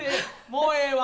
もうええわ！